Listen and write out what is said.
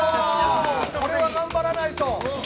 ◆これは頑張らないと！